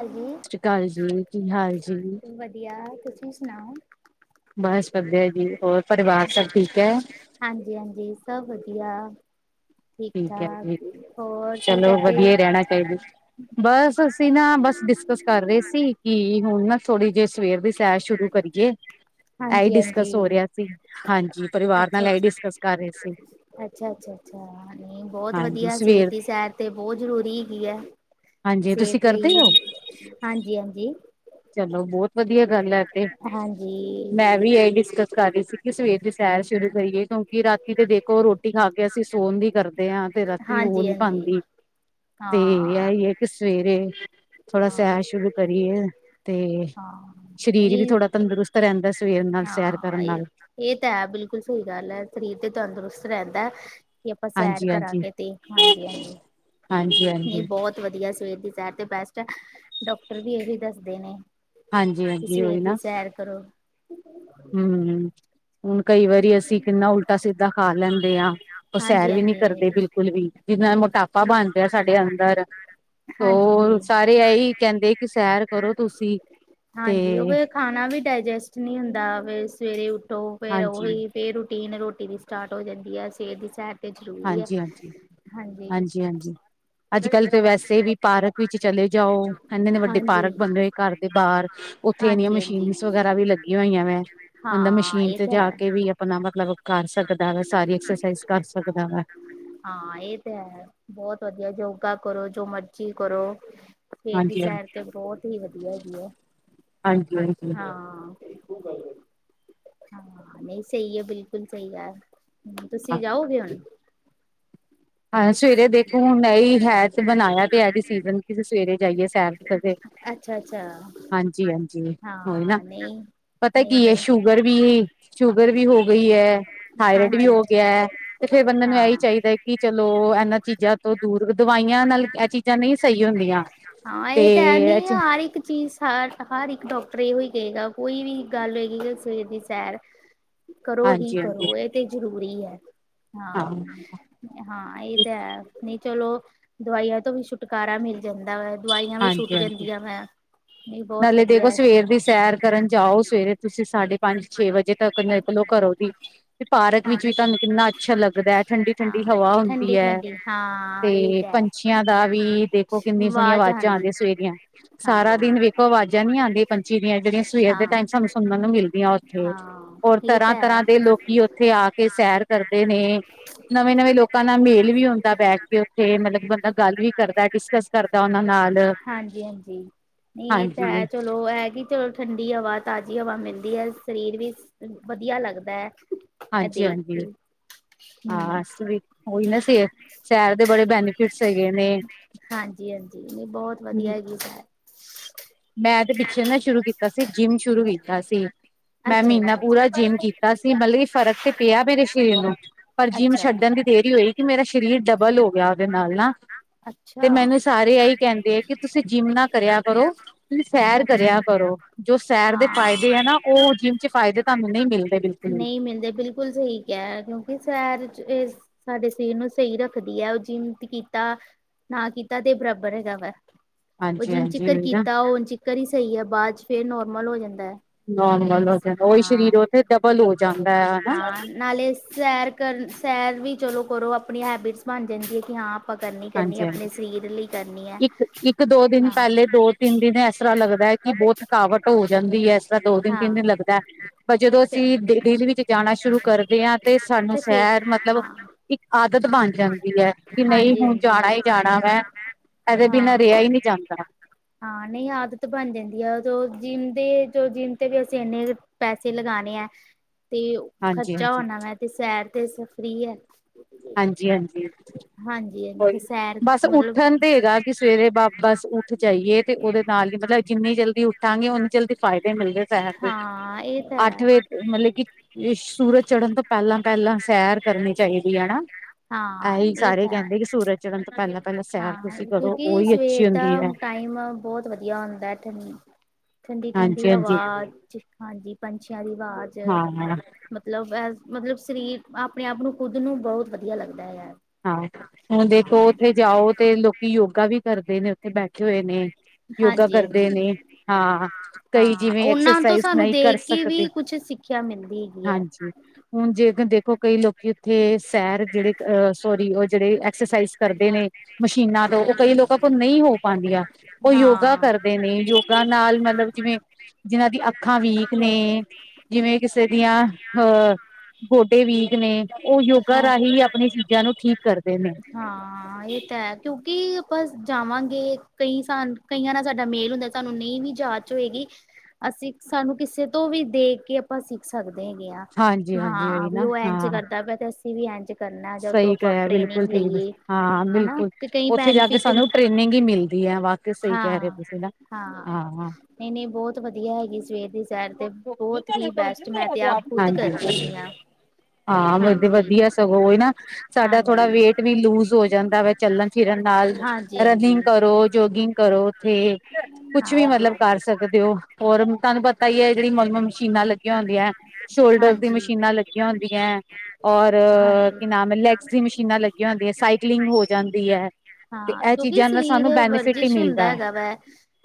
ਹਾਂਜੀ ਸਤਿ ਸ੍ਰੀ ਅਕਾਲ ਜੀ, ਕੀ ਹਾਲ ਜੀ? ਵਧੀਆ, ਤੁਸੀਂ ਸੁਣਾਓ? ਬਸ ਵਧੀਆ ਜੀ, ਹੋਰ ਪਰਿਵਾਰ ਸਭ ਠੀਕ ਐ। ਹਾਂਜੀ ਹਾਂਜੀ ਸਭ ਵਧੀਆ। ਠੀਕ ਹੈ ਠਾਕ, ਜੀ ਹੋਰ ਕੀ ਚਲੋ ਕਰਦੇ? ਵਧੀਆ ਹੀ ਰਹਿਣਾ ਬਸ ਅਸੀਂ ਨਾ ਬਸ ਡਿਸਕਸ ਕਰ ਰਹੇ ਸੀ, ਕਿ ਹੁਣ ਨਾ ਥੋੜ੍ਹੀ ਜੇ ਸਵੇਰ ਦੀ ਸੈਰ ਸ਼ੁਰੂ ਕਰੀਏ। ਐਈ ਹਾਂਜੀ ਹਾਂਜੀ ਡਿਸਕਸ ਹੋ ਰਿਆ ਸੀ, ਹਾਂਜੀ ਪਰਿਵਾਰ ਨਾਲ ਐਈ ਡਿਸਕਸ ਕਰ ਰੇ ਸੀ। ਅੱਛਾ-ਅੱਛਾ-ਅੱਛਾ ਨਈ ਬੋਤ ਵਧੀਆ, ਸਵੇਰ ਦੀ ਸੈਰ ਤੇ ਬੋਤ ਜ਼ਰੂਰੀ ਹੈਗੀ ਐ। ਹਾਂਜੀ ਤੁਸੀਂ ਕਰਦੇ ਓ? ਹਾਂਜੀ-ਹਾਂਜੀ ਚਲੋ ਬੋਤ ਵਧੀਆ ਗੱਲ ਐ ਤੇ, ਹਾਂਜੀ ਮੈਂ ਵੀ ਏ ਈ ਡਿਸਕਸ ਕਰ ਰਈ ਸੀ। ਕੀ ਸਵੇਰ ਦੀ ਸੈਰ ਸ਼ੁਰੂ ਕਰੀਏ ਕਿਉਂਕਿ ਰਾਤੀ ਤੀ ਤੇ ਦੇਖੋ ਰੋਟੀ ਖਾ ਕੇ ਅਸੀਂ ਸੋਨ ਦੀ ਕਰਦੇ ਆ, ਤੇ ਰਾਤੀ ਹੋ ਹਾਂਜੀ ਨੀ ਹਾਂਜੀ ਪਾਂਦੀ। ਹਾਂ। ਕੀ ਸਵੇਰੇ, ਥੋੜਾ ਹਾਂ ਸੈਰ ਸ਼ੁਰੂ ਕਰੀਏ। ਤੇ ਹਾਂ ਸਰੀਰ ਵੀ ਨਹੀਂ ਥੋੜਾ ਤੰਦਰੁਸਤ ਰੈਂਦਾ, ਸਵੇਰ ਨਾਲ ਸੈਰ ਕਰਨ ਨਾਲ। ਏ ਤਾਂ ਹੈ ਬਿਲਕੁੱਲ ਸਈ ਗੱਲ ਐ, ਸਰੀਰ ਤੇ ਤੰਦਰੁਸਤ ਰੈਂਦੈ ਕੀ ਆਪਾਂ ਸੈਰ ਹਾਂਜੀ ਹਾਂਜੀ ਕਰਾਂਗੇ ਤੇ, ਹਾਂਜੀ-ਹਾਂਜੀ ਹਾਂਜੀ ਨਈ ਹਾਂਜੀ ਬੋਤ ਵਧੀਆ, ਸਵੇਰ ਦੀ ਸੈਰ ਤੇ ਬੈਸਟ ਐ, ਡੋਕਟਰ ਵੀ ਏਹੀ ਦੱਸਦੇ ਨੇ। ਹਾਂਜੀ, ਸਵੇਰ ਦੀ ਸੈਰ ਕਰੋ। ਹੂੰ, ਹੁਣ ਕਈ ਵਾਰੀ ਅਸੀਂ ਕਿੰਨਾ ਉਲਟਾ ਸਿੱਧਾ ਖਾ ਲੈਂਦੇ ਆ। ਓ ਹਾਂਜੀ ਸੈਰ ਵੀ ਨੀ ਹਾਂਜੀ ਕਰਦੇ ਬਿਲਕੁੱਲ ਵੀ, ਜਿਨਾ ਮੋਟਾਪਾ ਬਣ ਰਿਆ ਸਾਡੇ ਅੰਦਰ। ਓ ਹਾਂਜੀ ਸਾਰੇ ਐਈ ਕੈਂਦੇ, ਕਿ ਸੈਰ ਕਰੋ ਤੁਸੀਂ ਹਾਂਜੀ ਉਹ ਤੇ ਫੇਰ ਖਾਣਾ ਵੀ ਡਾਇਜੈਸਟ ਨੀ ਹੁੰਦਾ, ਵ ਸਵੇਰੇ ਉੱਠੋ ਫਿਰ ਹਾਂਜੀ ਓਹੀ ਫੇਰ ਰੂਟੀਨ ਰੋਟੀ ਦੀ ਸਟਾਰਟ ਹੋ ਜਾਂਦੀ ਐ, ਸਵੇਰ ਦੀ ਸੈਰ ਤੇ ਜ਼ਰੂਰੀ ਐ, ਹਾਂਜੀ। ਜੀ ਹਾਂਜੀ। ਅੱਜ ਕੱਲ੍ਹ ਤਾਂ ਵੈਸੇ ਵੀ ਪਾਰਕ ਵਿੱਚ ਚਲੇ ਜਾਓ, ਕੈਂਦੇ ਨੇ ਵੱਡੇ ਹਾਂਜੀ ਪਾਰਕ ਬਣ ਹੋਏ ਨੇ, ਘਰ ਦੇ ਬਾਰ। ਉੱਥੇ ਐਨੀਆ ਹਾਂਜੀ ਹਾਂਜੀ ਮਸ਼ੀਨਸ ਵਗੈਰਾ ਵੀ ਲੱਗੀਆਂ ਹੋਈਆਂ ਵੈਂ। ਬੰਦਾ ਹਾਂ ਮਸ਼ੀਨ ਇਹ ਤੇ ਤਾਂ ਜਾ ਹੈ ਕੇ ਵੀ ਆਪਣਾ ਮਤਲਬ ਕਰ ਸਕਦਾ ਵਾ, ਸਾਰੀ ਐਕਸਰਸਾਈਜ਼ ਕਰ ਸਕਦਾ ਵਾ। ਹਾਂ ਏ ਤੇ ਹੈ ਬੋਤ ਵਧੀਆ, ਯੋਗਾ ਕਰੋ ਜੋ ਮਰਜੀ ਕਰੋ। ਸਵੇਰ ਦੀ ਹਾਂਜੀ ਸੈਰ ਤੇ ਬਹੁਤਹੀ ਵਧੀਆ ਹੈਗੀ ਐ ਹਾਂਜੀ ਹਾਂਜੀ ਹਾਂ। ਤੂੰ ਗੱਲ ਕਰ, ਹਾਂ ਨਈ, ਸਈ ਐ ਬਿਲਕੁੱਲ ਸਈ ਐ। ਹੂੰ ਤੁਸੀਂ ਜਾਓਗੇ ਹੁਣ? ਹਾਂ ਸਵੇਰੇ ਦੇਖੋ ਹੁਣ ਏ ਈ ਹੈ ਤੇ, ਬਣਾਇਆ ਤੇ ਹੈ ਡਸੀਜਨ, ਕੀ ਅਸੀਂ ਸਵੇਰੇ ਜਾਈਏ ਸੈਰ ਕਰਦੇ। ਅੱਛਾ-ਅੱਛਾ, ਹਾਂਜੀ ਹਾਂਜੀ ਹੋਈ ਨਾ ਹਾਂ ਨਈ। ਪਤਾ ਕੀ ਐ, ਸ਼ੂਗਰ ਵੀ ਸ਼ੂਗਰ ਵੀ ਹੋ ਗਈ ਐ, ਥਾਈਰਡ ਵੀ ਹਾਂਜੀ ਹੋ ਗਿਐ। ਤੇ ਫੇਰ ਬੰਦੇ ਨੂੰ ਹਾਂ ਐਈ ਚਾਈਦੈ ਕੀ ਚਲੋ, ਐਨਾਂ ਚੀਜ਼ਾਂ ਤੋਂ ਦੂਰ, ਦਵਾਈਆਂ ਨਾਲ ਐ ਚੀਜ਼ਾਂ ਨਈ ਸਈ ਹੁੰਦੀਆਂ ਹਾਂ ਤੇ ਇਹ ਤਾਂ ਹੈ ਨਹੀਂ ਹਰ ਇੱਕ ਚੀਜ਼ ਹ ਹਰ ਇੱਕ ਡੋਕਟਰ ਏਹੋ ਹੀ ਕਏਗਾ, ਕੋਈ ਵੀ ਗੱਲ ਹੋਏਗੀ ਸਵੇਰ ਦੀ ਸੈਰ। ਕਰੋ ਹੀ ਹਾਂਜੀ ਕਰੋ, ਏ ਤੇ ਜ਼ਰੂਰੀ ਐ ਹਾਂ। ਹਾਂ ਏ ਤਾਂ ਹੈ ਨਈ ਚਲੋ, ਦਵਾਈਆਂ ਤੋਂ ਵੀ ਛੁਟਕਾਰਾ ਮਿਲ ਜਾਂਦਾ ਵਾ। ਦਵਾਈਆਂ ਵੀ ਛੁਟ ਹਾਂਜੀ ਹਾਂਜੀ ਜਦੀਆਂ ਵੈ, ਨਈ ਬੋਤ ਨਾਲੇ ਵਧੀਆ ਐ। [unintelligible] ਦੀ ਸੈਰ ਕਰਨ ਜਾਓ, ਸਵੇਰੇ ਤੁਸੀਂ ਸਾਢੇ ਪੰਜ ਛੇ ਵਜੇ ਤੱਕ, ਨਿਕਲੋ ਘਰੋਂ ਦੀ ਪਾਰਕ ਹਾਂ ਵਿੱਚ ਵੀ ਤੁਹਾਨੂੰ ਕਿੰਨਾ ਅੱਛਾ ਲੱਗਦੈ, ਠੰਡੀ-ਠੰਡੀ ਹਾਂ ਹਵਾ ਹੁੰਦੀ ਠੰਡੀ ਐ ਠੰਡੀ ਹਾਂ ਇਹ ਤੇ ਤਾਂ ਹੈ ਪੰਛੀਆਂ ਦਾ ਵੀ ਦੇਖੋ, ਕਿੰਨੀਆਂ ਸੋਣੀਆਂ ਆਵਾਜ਼ ਆਵਾਜ਼ਾਂ ਆਂਦੀ ਆਦੀਆਂ ਸਵੇਰੀਆਂ। ਸਾਰਾ ਹਾਂ ਦਿਨ ਵੇਖੋ, ਆਵਾਜ਼ਾਂ ਨੀ ਆਂਦੀਆਂ ਪੰਛੀ ਦੀਆਂ, ਜੇੜੀਆ ਸਵੇਰ ਦੇ ਹਾਂ ਟਾਈਮ ਸਾਨੂੰ ਸੁਣਨ ਨੂੰ ਮਿਲਦੀਆਂ ਓਥੇ। ਹਾਂ ਓਰ ਇਹ ਤਾਂ ਹੈ ਤਰ੍ਹਾਂ-ਤਰ੍ਹਾਂ ਦੇ ਲੋਕੀ ਓਥੇ ਆ ਕੇ ਸੈਰ ਕਰਦੇ ਨੇ। ਨਵੇਂ-ਨਵੇਂ ਲੋਕਾਂ ਨਾਲ ਮੇਲ ਵੀ ਹੁੰਦੈ ਬੈਠ ਕੇ, ਉੱਥੇ ਮਤਲਬ ਕੀ ਬੰਦਾ ਗੱਲ ਵੀ ਕਰਦਾ, ਡਿਸਕਸ ਕਰਦਾ ਓਨਾਂ ਨਾਲ। ਹਾਂਜੀ-ਹਾਂਜੀ, ਨਈ ਏ ਤਾਂ ਹਾਂਜੀ ਹੈ ਚਲੋ। ਓ ਐ ਕੀ ਚਲੋ ਠੰਡੀ ਹਵਾ ਤਾਜ਼ੀ ਹਵਾ ਮਿਲਦੀ ਐ, ਸਰੀਰ ਵੀ ਵਧੀਆ ਲੱਗਦੈ। ਐ ਹਾਂਜੀ ਦੇਖ ਕੇ। ਹਾਂਜੀ ਹਾਂ, ਹਮ ਵੈਸੇ ਵੀ ਓਹੀ ਨਾ ਫੇਰ, ਸੈਰ ਦੇ ਬੜੇ ਬੈਨੀਫਿਟਸ ਹੈਗੇ ਨੇ। ਹਾਂਜੀ-ਹਾਂਜੀ, ਨਈ ਬੋਤ ਵਧੀਆ [unintelligible] ਐ ਮੈਂਦੇ ਪਿੱਛੇ ਨਾ ਸ਼ੁਰੂ ਕੀਤਾ ਸੀ, ਜਿੰਮ ਸ਼ੁਰੂ ਕੀਤਾ ਸੀ ਮੈਂ ਅੱਛਾ ਮਹੀਨਾ ਅੱਛਾ ਪੂਰਾ ਜਿੰਮ ਕੀਤਾ ਸੀ, ਮਤਲਬ ਕਿ ਫ਼ਰਕ ਤੇ ਪਿਆ ਮੇਰੇ ਸਰੀਰ ਨੂੰ ਪਰ ਜੀਮ ਅੱਛਾ ਛੱਡਣ ਦੀ ਦੇਰੀ ਹੋਈ, ਕਿ ਮੇਰਾ ਸਰੀਰ ਡਬਲ ਹੋ ਗਿਆ ਉਹਦੇ ਨਾਲ ਨਾ ਤੇ ਅੱਛਾ ਮੈਨੂੰ ਸਾਰੇ ਇਹੀ ਕਹਿੰਦੇ ਆ ਕਿ ਤੁਸੀਂ ਜਿੰਮ ਨਾ ਕਰਿਆ ਕਰੋ। ਤੁਸੀਂ ਸੈਰ ਅੱਛਾ ਕਰਿਆ ਕਰੋ ਜੋ ਸੈਰ ਦੇ ਫਾਇਦੇ ਹੈ ਹਾਂ ਨਾ ਉਹ ਜਿੰਮ ਚ ਫਾਇਦੇ ਤੁਹਾਨੂੰ ਨਈ ਮਿਲਦੇ ਬਿਲਕੁਲ ਵੀ। ਮਿਨ ਤੇ ਬਿਲ ਬਿਲਕੁਲ ਸਹੀ ਕਿਆ ਹੈ ਕਿਉਂਕਿ ਸੈਰ ਚ ਸਾਡੇ ਸਰੀਰ ਨੂੰ ਸਹੀ ਰੱਖਦੀ ਹੈ ਉਹ ਜਿਮ ਤ ਕੀਤਾ ਨਾ ਕੀਤਾ ਤੇ ਬਰਾਬਰ ਹੈਗਾ ਵਾ ਉਹ ਹਾਂਜੀ ਜਿਹਨ ਹਾਂਜੀ ਚਿਕਰ ਉਹੀ ਨਾ ਕੀਤਾ ਉਨ ਕਰੀ ਸਹੀ ਹੈ ਬਾਦ ਚ ਫੇਰ ਨੋਰਮਲ ਹੋ ਜਾਂਦਾ। ਨੋਰਮਲ ਹੋ ਜਾਂਦਾ ਉਹੀ ਹਾਂ। ਸਰੀਰ ਉੱਥੇ ਡਬਲ ਹੋ ਜਾਂਦਾ ਹਨਾ। ਹਾਂ ਨਾਲੇ ਸੈਰ ਕਰਨ ਸੈਰ ਵੀ ਚਲੋ ਕਰੋ ਆਪਣੀ ਹੈਬਿਟਸ ਬਣ ਜਾਂਣਦੀ ਹੈ ਕਿ ਹਾਂ ਆਪਾਂ ਕਰਨੀ-ਕਰਨੀ ਹਾਂਜੀ ਹਾਂਜੀ ਆਪਣੇ ਸਰੀਰ ਲਈ ਕਰਨੀ ਹੈ ਇੱਕ ਇੱਕ ਦੋ ਦਿਨ ਹਾਂ। ਪਹਿਲੇ ਦੋ ਤਿੰਨ ਦਿਨ ਇਸਰ੍ਹਾ ਲੱਗਦਾ ਹੈ ਕਿ ਬੌਤ ਥਕਾਵਟ ਹੋ ਜਾਂਦੀ ਹੈ ਇਸ ਤਰ੍ਹਾਂ ਦੋ ਦਿਨ, ਹਾਂ ਤਿੰਨ ਦਿਨ ਲੱਗਦਾ। ਪਰ ਜਦੋਂ ਅਸੀਂ ਦਿੱਲੀ ਵਿੱਚ ਜਾਣਾ ਸ਼ੁਰੂ ਕਰਦੇ ਹਾਂ ਤੇ ਸਾਨੂੰ ਫੇਰ ਸ਼ੈਰ ਮਤਲਬ ਹਾਂ ਇੱਕ ਆਦਤ ਬਣ ਜਾਂਦੀ ਹੈ ਕਿ ਨਈ ਹਾਂਜੀ ਹੁਣ ਹਾਂਜੀ ਜਾਣਾ ਹੀ ਜਾਣਾ ਮੈਂ ਇਹਦੇ ਬਿਨਾਂ ਰਿਹਾ ਹਾਂ ਹੀ ਨੀ ਜਾਂਦਾ। ਹਾਂ ਨਈ ਆਦਤ ਬਣ ਜਾਂਦੀ ਹੈ ਜਿੰਮ ਦੇ ਜੋ ਜਿਮ ਤੇ ਵੀ ਅਸੀਂ ਇੰਨੇ ਪੈਸੇ ਲਗਾਣੇ ਹੈ ਤੇ ਹਾਂਜੀ ਖਰਚਾ ਹਾਂਜੀ ਹੋਣਾ ਵੈ ਤੇ ਸੈਰ ਤੇ ਸ ਫ੍ਰੀ ਹੈ। ਹਾਂਜੀ-ਹਾਂਜੀ ਹਾਂਜੀ ਹਾਂਜੀ ਸੈਰ ਬਸ ਮਤਲਬ ਉੱਠਣ ਤੇ ਹੈਗਾ। ਕਿ ਸਵੇਰੇ ਬ ਬਸ ਉੱਠ ਜਾਈਏ ਤੇ ਉਹਦੇ ਨਾਲ ਹੀ ਮਤਲਬ ਜਿੰਨੀ ਜਲਦੀ ਉੱਠਾਂਗੇ ਓਨੀ ਜਲਦੀ ਫਾਇਦੇ ਮਿਲਦੇ। ਸੈਰ ਦੇ ਹਾਂ ਇਹ ਤਾਂ ਅੱਠ ਹੈ ਵਜੇ ਮਤਲਬ ਕਿ ਸੂਰਜ ਚੜ੍ਹਨ ਤੋਂ ਪਹਿਲਾਂ-ਪਹਿਲਾਂ ਸੈਰ ਕਰਨੀ ਚਾਹੀ ਦੀ ਹਨਾ ਹਾਂ ਐਹੀ ਇਹ ਸਾਰੇ ਤਾਂ ਹੈ ਕਹਿੰਦੇ ਕਿ ਸੂਰਜ ਚੜਨ ਤੋਂ ਪਹਿਲਾ-ਪਹਿਲਾ ਸੈਰ ਹਾਂ ਤੁਸੀਂ ਕਰੋ ਕਿਉਂਕਿ ਉਹੀ ਅੱਛੀ ਸਵੇਰ ਦਾ ਹੁੰਦੀ ਹੈ। ਟਾਈਮ ਬੌਤ ਵਧੀਆ ਆਉਂਦਾ ਹੈ ਠੰ ਠੰਡੀ-ਠੰਡੀ ਹਾਂਜੀ ਹਵਾ ਹਾਂਜੀ ਹਾਂਜੀ ਪੰਛੀਆ ਦੀ ਵਾਜ਼ ਹਾਂ ਹਾਂ ਮਤਲਬ ਏ ਮਤਲਬ ਸਰੀਰ ਆਪਣੇ ਆਪ ਨੂੰ ਖੁਦ ਨੂੰ ਬਹੁਤ ਵਧੀਆ ਲੱਗਦਾ ਹੈ। ਹਾਂ ਹੁਣ ਦੇਖੋ ਉੱਥੇ ਜਾਓ ਤੇ ਲੋਕੀ ਯੋਗਾ ਵੀ ਕਰਦੇ ਨੇ ਉੱਥੇ ਬੈਠੇ ਹੋਏ ਨੇ। ਯੋਗਾ ਹਾਂਜੀ ਕਰਦੇ ਹਾਂਜੀ ਨੇ ਹਾਂ ਕਈ ਹਾਂ ਜਿਵੇਂ ਐਕਸਰਸਾਈਜ਼ ਨਈ ਕਰ ਸਕਦੇ। ਖਿਆ ਮਿਲਦੀ ਹੈਗੀ ਹੈ। ਹਾਂਜੀ ਹੁਣ ਜੇ ਦੇਖੋ ਕਈ ਲੋਕੀ ਉੱਥੇ ਸੈਰ ਜਿਹੜੇ ਅ ਸੋਰੀ ਉਹ ਜਿਹੜੇ ਐਕਸਰਸਾਈਜ਼ ਕਰਦੇ ਨੇ ਮਸ਼ੀਨਾ ਤੋਂ ਉਹ ਕਈ ਲੋਕਾ ਕੋ ਨਈ ਹੋ ਪਾਦੀਆ। ਉਹ ਯੋਗਾ ਹਾਂ ਕਰਦੇ ਨੇ ਯੋਗਾ ਨਾਲ ਮਤਲਬ ਜਿਵੇਂ ਜਿਨਾ ਦੀ ਅੱਖਾ ਵੀਕ ਨੇ ਜਿਵੇ ਕਿਸੇ ਦੀਆ ਅਹ ਗੋਡੇ ਵੀਕ ਨੇ ਉਹ ਯੋਗਾ ਹਾਂ ਰਾਹੀ ਆਪਣਿਆ ਚੀਜ਼ਾ ਨੂੰ ਠੀਕ ਕਰਦੇ ਨੇ। ਹਾਂ ਹਾਂ ਇਹ ਤਾ ਹੈ, ਕਿਉਂਕਿ ਆਪਾ ਜਾਵਾਂਗੇ ਕਈ ਸਾਨ ਕਈਆ ਨਾਲ ਸਾਡਾ ਮੇਲ ਹੁੰਦਾ ਸਹਾਨੂੰ ਨਈ ਵੀ ਜਾ ਚ ਹੋਏਗੀ ਅਸੀ ਸਾਨੂੰ ਕਿਸੇ ਤੋਂ ਵੀ ਦੇਖ ਕੇ ਆਪਾ ਸਿੱਖ ਸਕਦੇ ਹੈਗੇ ਆ ਹਾਂਜੀ ਹਾਂਜੀ ਹਾਂ ਉਹੀ ਵੀ ਨਾ ਉਹ ਇੰਝ ਹਾਂ ਕਰਦਾ ਪਿਆ ਤੇ ਅਸ ਵੀ ਇੰਜ ਕਰਨਾ ਉਦੇ ਤੋ ਸਹੀ ਆਪਾ ਕਿਹਾ ਬਿਲਕੁਲ ਟ੍ਰੇਨਿੰਗ ਠੀਕ ਲਈਏ। ਹਾਂ ਹਨਾ ਬਿਲਕੁਲ ਕਿ ਕਈ ਉੱਥੇ ਜਾ ਕੇ ਬੈਨੀਫਿਟ ਸਾਨੂੰ ਟ੍ਰੇਨਿੰਗ ਹੀ ਮਿਲਦੀ ਹੈ ਵਾਕ ਸਹੀ ਕਹਿ ਰਹੇ ਹੋ ਹਾਂ ਤੁਸੀਂ ਨਾ। ਹਾਂ ਨਈ-ਨਈ ਬੌਤ ਵਧੀਆ ਹੈਗੀ ਸਵੇਰ ਦੀ ਸੇ ਸੈਰ ਤੇ ਬੋਹਤ ਹੀ ਬੈਸਟ ਮੈਂ ਤੇ ਆਪ ਖੁਦ ਹਾਂਜੀ ਕਰਦੀ ਨੀ ਹਾ। ਹਾਂ ਮਤ ਵਧੀਆ ਸਗੋਂ ਉਹੀ ਨਾ ਸਾਡਾ ਥੋੜਾ ਹਾਂਜੀ ਵੇਟ ਵੀ ਲੂਜ ਹੋ ਜਾਂਦਾ ਵੇ। ਚੱਲਣ ਫਿਰਨ ਨਾਲ ਹਾਂਜੀ ਹਾਂਜੀ ਰਨਿੰਗ ਕਰੋ ਜੋਗਿੰਗ ਕਰੋ ਉੱਥੇ। ਕੁਛ ਵੀ ਹਾਂ ਮਤਲਬ ਕਰ ਸਕਦੇ ਔ, ਹੋਰ ਤੁਹਾਨੂੰ ਪਤਾ ਈ ਐ ਜਿਹੜੀ ਮੁਲਮ ਮਸ਼ੀਨਾਂ ਲੱਗੀਆਂ ਹੁੰਦੀਆਂ ਸ਼ੋਲਡਰ ਦੀ ਹਾਂਜੀ ਮਸ਼ੀਨਾਂ ਲੱਗੀਆਂ ਹੁੰਦੀਆਂ, ਔਰ ਹਾਂਜੀ ਕੀ ਨਾਮ ਲੈਗਜ਼ ਦੀ ਮਸ਼ੀਨਾਂ ਲੱਗੀਆਂ ਹੁੰਦੀਆਂ, ਸਾਈਕਲਿੰਗ ਹੋ ਜਾਂਦੀ ਐ ਹਾਂ, ਜੋ ਕਿ ਸਰੀਰ ਵਰਜਿਸ਼ ਹੁੰਦਾ ਮਿਲਦਾ ਹੈ ਹੈਗਾ ਵੇ,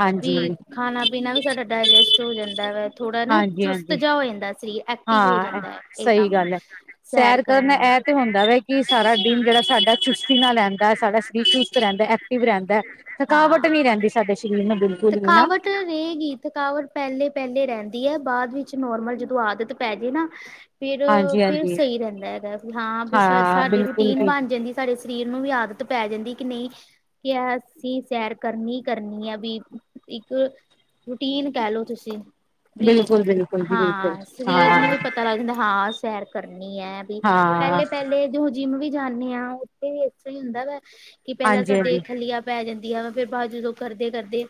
ਹਾਂਜੀ ਵੀ ਖਾਣਾ ਪੀਣਾਵੀ ਸਾਡਾ ਡਾਇਜੈਸਟ ਹੋ ਜਾਂਦਾ ਵੈ ਥੋੜ੍ਹਾ ਨਾ, ਹਾਂਜੀ ਚੁਸਤ ਹਾਂਜੀ ਜਾ ਹੋ ਜਾਂਦਾ ਸਰੀਰ ਐਕਟਿਵ ਹੋ ਹਾਂ ਜਾਂਦਾ ਏ ਸਹੀ ਕੰਮ ਗੱਲ ਹੈ। ਸੈਰ ਕਰਨ, ਏ ਤੇ ਹੁੰਦਾ ਵੈ ਕਿ ਸਾਰਾ ਦਿਨ ਜਿਹੜਾ ਸਾਡਾ ਚੁਸਤੀ ਨਾਲ [unintelligible] ਸਾਡਾ ਸਰੀਰ ਚੁਸਤ ਰੇਦਾ ਐਕਟਿਵ ਰੇਦਾ, ਥਕਾਵਟ ਹਾਂ ਨੀ ਰੇਦੀ ਸਾਡੇ ਸਰੀਰ ਨੂੰ ਬਿਲਕੁਲ ਵੀ ਨਾ [inaudible] ਕੀ ਥਕਾਵਟ ਪੈਲੇ-ਪੈਲੇ ਰੇਦੀ ਐ ਬਾਅਦ ਵਿੱਚ ਨੋਰਮਲ ਜਦੋਂ ਆਦਤ ਪੈਜੇ ਨਾ ਫਿਰ ਹਾਂਜੀ ਫਿਰ ਹਾਂਜੀ ਸਈ ਰੇਦੇ ਹੈਗਾ, ਵੀ ਹਾਂ ਵੀ ਸਾਡੀ ਬਿਲਕੁਲ ਰੂਟੀਨ ਜੀ ਬਣ ਜਾਂਦੀ ਸਾਡੇ ਸਰੀਰ ਨੂੰ ਵੀ ਆਦਤ ਪੈ ਜਾਂਦੀ ਐ ਕਿ ਨੀ ਕਿ ਅਸੀਂ ਸੈਰ ਕਰਨੀ-ਕਰਨੀ ਐ ਵੀ ਇੱਕ ਰੂਟੀਨ ਕੈ ਲਓ ਤੁਸੀਂ, ਬੀ ਬਿਲਕੁਲ ਬਿਲਕੁਲ ਜੀ ਬਿਲਕੁਲ ਹਾਂ ਸਰੀਰ ਹਾਂ ਨੂੰ ਵੀ ਪਤਾ [unintelligible] ਹਾਂ ਸੈਰ ਕਰਨੀ ਐ ਵੀ ਹਾਂ ਪੈਲੇ-ਪੈਲੇ ਜੁ ਜਿੰਮ ਵੀ ਜਾਨੀ ਆ ਵੀ ਏਸਾ ਤਾਹੀ ਹੁੰਦਾ ਵੈ ਕਿ ਪੈਲਾ ਹਾਂਜੀ ਸਾਡੇ ਹਾਂਜੀ ਖੱਲੀਆ ਪੈ ਜਾਂਦੀ ਆ ਫੇਰ ਬਾਦ ਜਦੋਂ ਕਰਦੇ-ਕਰਦੇ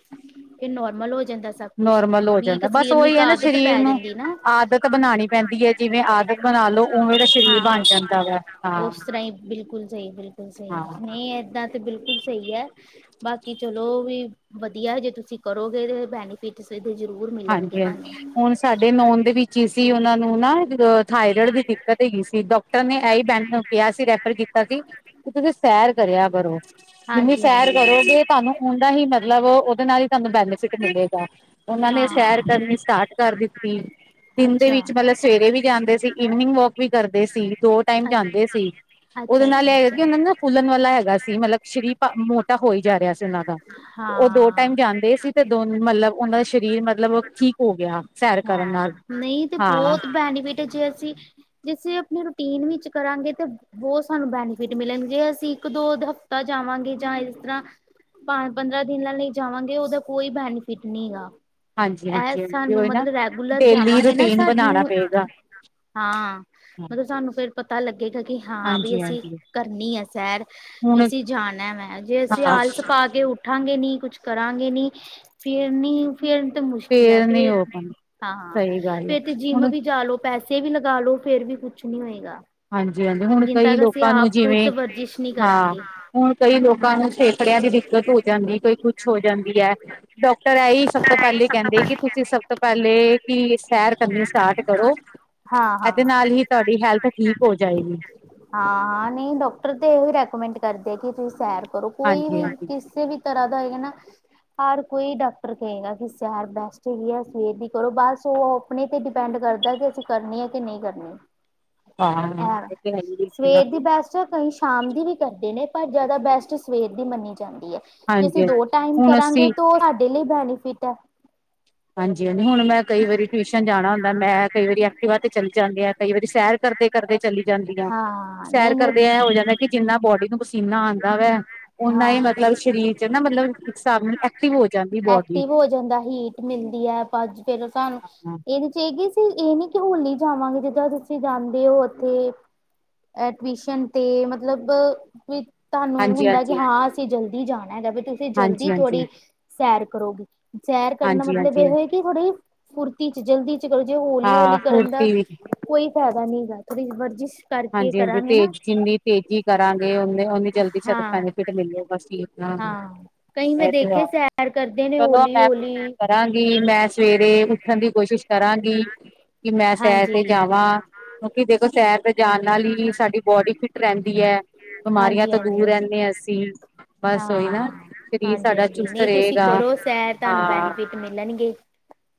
ਏ ਨੋਰਮਲ ਹੋ ਜਾਂਦਾ ਸੀ। ਨੋਰਮਲ ਹੋ ਜਾਂਦਾ ਐ ਬਸ ਓਈ ਐ ਨਾ ਸ਼ਰੀਰ ਪੈ ਨੂੰ ਜਾਂਦੀ ਨਾ ਆਦਤ ਬਨਾਣੀ ਪੈਂਦੀ ਐ। ਜਿਵੇਂ ਆਦਤ ਬਣਾ ਲੋ, ਉਵੇਂ ਦਾ ਸਰੀਰ ਬਣ ਜਾਂਦਾ ਵੇ ਹਾਂ ਨੇਈ ਬਿਲਕੁਲ ਸਈ ਬਿਲਕੁਲ ਸਈ ਹਾਂ ਨਈ ਏਦਾਂ ਤੇ ਬਿਲਕੁਲ ਸੇਈ ਐ ਬਾਕੀ ਚਲੋ ਵੀ, ਵਧੀਆ ਜੇ ਤੁਸੀਂ ਕਰੋਗੇ ਤੇ ਬੈਨੀਫਿਟ ਸਹੀ ਜ਼ਰੂਰ ਮਿਲਣਗੇ ਹਾਂਜੀ ਹਾਂਜੀ ਤਾਨੂੰ ਹੁਣ ਸਾਡੇ ਦੇ ਮੈ ਔਦੇ ਵਿੱਚ ਈ ਸੀ ਓਨਾ ਨੂੰ ਨਾ ਜਦੋ ਥਾਇਰੋਇਡ ਦੀ ਦਿੱਕਤ ਹੈਗੀ ਸੀ, ਡਾਕਟਰ ਨੇ ਐਹੀ ਬੈਨ ਨੂੰ ਕਿਹਾ ਸੀ ਰੈਫਰ ਕੀਤਾ ਸੀ ਤੁਸੀਂ ਸੈਰ ਕਰਿਆ ਕਰੋ, ਜਿੰਨੀ ਹਾਂਜੀ ਹਾਂਜੀ ਸੈਰ ਕਰੋਗੇ ਤਾਨੂੰ ਓਨਾ ਈ ਮਤਲਬ ਓਦੇ ਨਾਲ ਈ ਤਾਨੂੰ ਬੈਨੀਫਿਟ ਮਿਲੇਗਾ ਓਨਾਂ ਨੇ ਸੈਰ ਹਾਂ ਕਰਨੀ, ਸਟਾਟ ਕਰ ਦਿੱਤੀ। ਦਿਨ ਦੇ ਅੱਛਾ ਵਿੱਚ ਪੇਲੇ ਸਵੇਰੇ ਵੀ ਜਾਂਦੇ ਸੀ, ਈਨਿੰਗ ਵੋਕ ਵੀ ਕਰਦੇ ਸੀ ਦੋ ਟਾਈਮ ਜਾਂਦੇ ਸੀ। ਉਦੇ ਅੱਛਾ ਅੱਛਾ ਨਾਲ ਏ ਹੈਗਾ, ਕਿ ਉਨ ਨਾ ਫੁੱਲਣ ਵਾਲਾ ਹੈਗਾ ਸੀ ਮਤਲਬ ਸਰੀਰ ਭਾ ਮੋਟਾ ਹੋਈ ਜਾ ਰਿਹਾ ਸੀ ਉਸ ਨਾ-ਨਾ ਓ ਦੋ ਹਾਂ ਟਾਈਮ ਜਾਂਦੇ ਸੀ। ਤੇ ਦੋਨ ਮਲਤਬ ਓਨਾਂ ਦਾ ਸ਼ਰੀਰ ਮਤਲਬ ਠੀਕ ਹੋ ਗਿਆ, ਸੈਰ ਕਰਨ ਨਾਲ ਹਾਂ। ਹੈਨੀ [unintelligible] ਜੇ ਅਸੀਂ ਜੇ ਅਸੀਂ ਆਪਣੀ ਰੂਟੀਨ ਵਿੱਚ ਕਰਾਂਗੇ, ਤੇ ਬੋਤ ਸਾਨੂੰ ਬੈਨੀਫਿਟ ਮਿਲਣਗੇ ਅਸੀਂ ਇੱਕ-ਦੋ ਦੇ ਹਫ ਤਾਂ ਜਾਵਾਂਗੇ ਜਾਂ ਇਸ ਤਰ੍ਹਾਂ, ਪਰ ਪੰਦਰਾਂ ਦਿਨਾਂ ਲਈ ਜਾਵਾਂਗੇ ਓਦਾ ਕੋਈ ਬੈਨੀਫਿ ਫਿਟ ਨੀ ਗਾ ਹਾਂਜੀ ਏ ਹਾਂਜੀ ਹਾਂਜੀ ਸਾਨੂੰ ਉਹੀ ਨਾ ਮਤਲਬ ਰੈਗੂਲਰ ਡੇਲੀ ਜਾਵਾਂਗੇ ਨਾ ਰੂਟੀਨ ਬਣਾਉਣਾ ਸਾਨੂੰ ਪਏਗਾ ਹਾਂ, ਮਤਲਬ ਸਾਨੂੰ ਫੇਰ ਪਤਾ ਲੱਗੇਗਾ ਕਿ ਹਾਂ ਬੀ ਹਾਂਜੀ ਅਸੀਂ ਹਾਂਜੀ ਕਰਨੀ ਐ, ਸੈਰ ਹੁਣ ਅਸੀ ਜਾਣਾ ਵੈ, ਜੇ ਅਸੀਂ ਹਾਂ ਆਲਸ ਪਾ ਕੇ ਉੱਠ ਉੱਠਾਂਗੇ ਨੀ, ਕੁੱਛ ਕਰਾਂਗੇ ਨੀ, ਫਿਰ ਨੀ ਫੇਰ ਤਾਂ ਮੁਸ਼ਕਿਲ ਐ ਨਹੀਂ ਫੇਰ, ਹੋ ਪਾਉਂਦਾ ਹਾਂ-ਹਾਂ ਸਹੀ ਗੱਲ ਹੈ ਫੇਰ ਤੇ ਜਿੰਮ ਹੁਣ ਵੀ ਜਾ ਲੋ ਪੈਸੇ ਵੀ ਲਗਾ ਲੋੋ, ਫੇਰ ਵੀ ਕੁਛ ਨੀ ਹੋਏਗਾ ਹਾਂਜੀ-ਹਾਂਜੀ, ਹੁਣ ਜਿੰਨ ਕਈ ਤੱਕ ਅਸੀਂ ਲੋਕਾਂ ਨੂੰ ਆਪ ਖੁਦ ਜਿਵੇਂ ਵਰਜਿਸ਼ ਨਹੀਂ ਹਾਂ, ਕਰਾਂਗੇ। ਹੁਣ ਕਈ ਲੋਕਾਂ ਨੂੰ ਫੇਫੜਿਆਂ ਦੀ ਦਿੱਕਤ ਹੋ ਜਾਂਦੀ ਐ ਕਈ ਕੁਛ ਹੋ ਜਾਂਦੀ ਐ ਡਾਕਟਰ ਐਹੀ ਸਭ ਤੋਂ ਪੈਲੇ ਕਹਿਦੇ, ਕਿ ਤੁਸੀਂ ਸਭ ਤੋਂ ਪੈਲੇ ਕੀ ਸੈਰ ਕਰਨੀ ਸ ਸਟਾਟ ਕਰੋ, ਹਾਂ-ਹਾਂ, ਏਦੇ ਨਾਲ ਹੀ ਤੁਹਾਡੀ ਹੈਲਥ ਠੀਕ ਹੋ ਜਾਏਗੀ। ਹਾਂ ਨਈ ਡਾਕਟਰ ਤੇ ਏ ਰੈਕੋਮੈਂਟ ਕਰਦੇ ਆ ਕਿ ਤੁਸੀਂ ਸੈਰ ਕਰੋ ਕੋਈ ਹਾਂਜੀ ਵੀ ਹਾਂਜੀ ਕਿਸੇ ਵੀ ਤਰ੍ਹਾਂ ਦਾ ਹੈਗਾ ਨਾ ਹਰ ਕੋਈ ਡਾਕਟਰ ਕੇਗਾ ਕਿ ਸੈਰ ਬੈਸਟ ਹੈਗੀ ਐ ਸਵੇਰ ਦੀ ਕਰੋ ਬਸ ਓ ਆਪਣੇ ਤੇ ਡਿਪੈਂਡ ਕਰਦਾ ਕਿ ਅਸੀਂ ਕਰਨੀ ਐ ਕੇ ਨਈ ਕਰਨੀ ਹਾਂ ਇਹ ਤੇ ਹੈ ਹੀ ਬਿਲਕੁਲ ਸਵੇਰ ਹਾਂਜੀ ਦੀ ਬਸ ਚ, ਕਈ ਸ਼ਾਮ ਦੀ ਵੀ ਕਰਦੇ ਨੇ ਪਰ ਜਾਦਾ ਬੈਸਟ ਸਵੇਰ ਦੀ ਮੰਨੀ ਜਾਂਦੀ ਐ। ਜੇ ਅਸੀਂ ਹਾਂਜੀ ਦੋ ਟਾਈਮ ਹੁਣ ਅਸੀਂ ਕਰਾਂਗੇ ਤੋ ਸਾਡੇ ਲਈ ਬੈਨੀਫਿਟ ਐ। ਹਾਂਜੀ ਹੁਣ ਮੈਂ ਕਈ ਵਾਰੀ ਟਵਿਸ਼ਨ ਜਾਣਾ ਹੁੰਦਾ ਮੈਂ ਕਈ ਵਾਰੀ ਐਕਟੀਵਾ ਤੇ ਚਲੀ ਜਾਂਦੀ ਆ ਕਈ ਵਾਰੀ ਸੈਰ ਕਰਦੇ-ਕਰਦੇ ਚਲੀ ਜਾਂਦੀ ਆ ਹਾਂ ਸੈਰ ਨਹੀਂ ਨਹੀਂ ਕਰਦੇ ਇਹ ਹੋ ਜਾਂਦਾ ਕਿ ਜਿੰਨਾ ਬੋਡੀ ਨੂੰ ਪਸੀਨਾ ਆਂਦਾ ਵੈ ਉਨਾਂ ਹੀ ਹਾਂ ਮਤਲਬ ਸਰੀਰ 'ਚ ਨਾ ਮਤਲਬ ਇੱਕ ਹਿਸਾਬ ਨਾਲ ਐਕਟਿਵ ਹੋ ਜਾਂਦੀ ਬੋਡੀ ਐਕਟਿਵ ਹੋ ਜਾਂਦਾ ਹੀਟ ਮਿਲਦੀ ਹੈ ਭਜਗੇ ਫਿਰ ਸਹਾਨੂੰ ਇਹਦੀ ਚਾਹੀਦੀ। ਤੂੰ ਹੀ ਇੰਨੀ ਕਿਉਂ ਨੀ ਕਿ ਹੋਣ ਨੀ ਜਾਵਾਂਗੇ ਜਿੱਦਾਂ ਤੁਸੀਂ ਜਾਂਦੇ ਹੋ ਉੱਥੇ ਐ ਟਿਊਸ਼ਨ ਤੇ ਮਤਲਬ ਵਿਚ ਤੁਹਾਨੂੰ ਹੁੰਦਾ ਕਿ ਹਾਂਜੀ-ਹਾਂਜੀ। ਹਾਂ ਅਸੀਂ ਜਲਦੀ ਜਾਣਾ ਹੈਗਾ ਵੀ ਤੁਸੀਂ ਜਲਦੀ ਹਾਂਜੀ-ਹਾਂਜੀ, ਥੋੜ੍ਹੀ ਸੈਰ ਕਰੋਗੇ। ਸੈਰ ਕਰਨ ਦਾ ਮਤਲਬ ਹਾਂਜੀ-ਹਾਂਜੀ ਇਹੋ ਕਿ ਥੋੜ੍ਹੀ ਫੁਰਤੀ 'ਚ ਜਲਦੀ ਜੇਕਰ ਹੌਲੀ-ਹੌਲੀ ਹਾਂ ਕਰਨ ਦਾ ਫੁਰਤੀ ਵੀ ਕੋਈ ਫਾਇਦਾ ਨਈ ਹੈਗਾ ਥੋੜੀ ਬਰਜਿਸ ਹਾਂਜੀ-ਹਾਂਜੀ ਤੇਜ਼ ਜਿੰਨੀ ਤੇਜ਼ੀ ਕਰਾਂਗੇੇ ਓਨੀ ਜਲਦੀ ਹਾਂ ਬੈਨੀਫਿਟ ਮਿਲੋ ਬਸ ਠੀਕ ਨਾ ਹਾਂ ਕਈ ਮੈਂ ਦੇਖੇ ਸੈਰ ਕਰਦੇ ਨੇ ਚਲੋ ਮੈਂ ਕੋਸ਼ਿਸ਼ ਹੋਲੀ-ਹੋਲੀ ਕਰਾਂਗੀ ਮੈਂ ਸਵੇਰੇ ਉੱਠਣ ਦੀ ਕੋਸ਼ਿਸ਼ ਕਰਾਂਗੀ ਕਿ ਮੈਂ ਸੈਰ ਤੇ ਹਾਂਜੀ ਹਾਂਜੀ ਜਾਵਾਂ। ਕਿਉਂਕਿ ਦੇਖੋ ਸੈਰ ਤੇ ਜਾਣ ਨਾਲ ਹੀ ਸਾਡੀ ਬੋਡੀ ਫਿਟ ਰੈਂਦੀ ਹੈ ਬਿਮਾਰੀਆਂ ਹਾਂਜੀ ਤੋਂ ਹਾਂਜੀ ਦੂਰ ਰੈਂਦੇ ਹਾਂ ਅਸੀ ਹਾਂ ਹਾਂਜੀ-ਹਾਂਜੀ ਚੁਸਤ ਨਈ ਤੁਸੀਂ ਰਹੇਗਾ ਕਰੋ ਸੈਰ ਤੁਹਾਨੂੰ ਬੈਨੀਫਿਟ ਮਿਲਣਗੇ।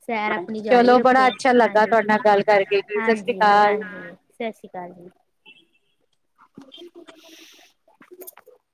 ਸੈਰ ਹਾਂ ਆਪਣੀ ਜਾਰੀ ਚਲੋ ਬੜਾ ਰੱਖੋ ਅੱਛਾ ਲੱਗਾ ਹਾਂਜੀ ਤੁਹਾਡੇ ਨਾਲ ਗੱਲ ਕਰਕੇ ਕੀ ਸਤਿ ਸ਼੍ਰੀ ਹਾਂਜੀ ਅਕਾਲ। ਹਾਂਜੀ ਸਤਿ ਸ਼੍ਰੀ ਅਕਾਲ ਜੀ। [inaudible]